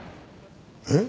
えっ？